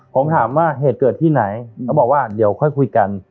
ผมถามว่าเหตุเกิดที่ไหนเขาบอกว่าเดี๋ยวค่อยคุยกัน